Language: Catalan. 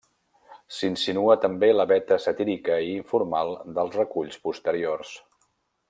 S'hi insinua també la veta satírica i informal dels reculls posteriors.